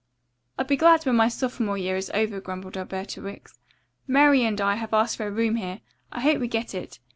"I'll be glad when my sophomore year is over," grumbled Alberta Wicks. "Mary and I have asked for a room here. I hope we get it.